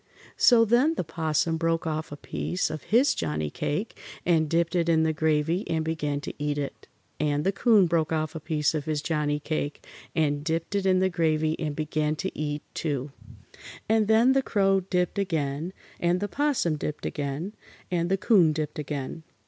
So then the 'Possum broke off a piece of his Johnnie cake and dipped it in the gravy and began to eat it, and the 'Coon broke off a piece of his Johnnie cake and dipped it in the gravy and began to eat, too. And then the Crow dipped again, and the 'Possum dipped again, and the 'Coon dipped again.